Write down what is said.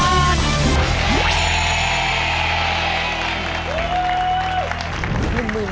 ตอนนี้